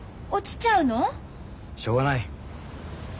しょうがない。